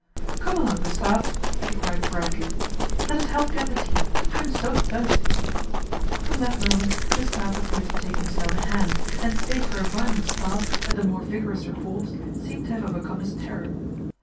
" Come along, Gustave !" she cried brightly. 11 Let us help get the tea. I'm so thirsty." From that moment Gustave appeared to take himself in hand, and save for a violent start, at the more vigorous reports, seemed to have over come his terror.